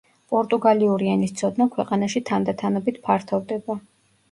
პორტუგალიური ენის ცოდნა ქვეყანაში თანდათანობით ფართოვდება.